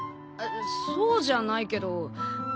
あそうじゃないけど。